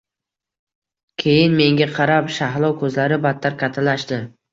keyin menga qarab shahlo ko`zlari battar kattalashdi